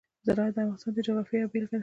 زراعت د افغانستان د جغرافیې یوه بېلګه ده.